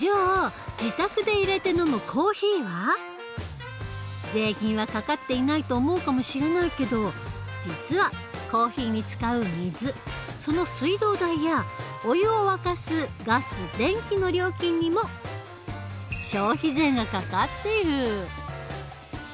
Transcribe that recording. じゃあ税金はかかっていないと思うかもしれないけど実はコーヒーに使う水その水道代やお湯を沸かすガス電気の料金にも消費税がかかっている。